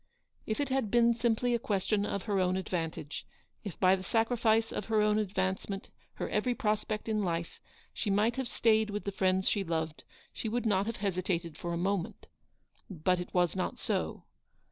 If it had been simply a question of her own 218 advantage, if by the sacrifice of her own advance ment, her every prospect in life, she might have stayed with the friends she loved, she wonld not have hesitated for a moment. But it was not so.